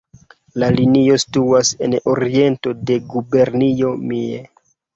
La linio situas en oriento de Gubernio Mie.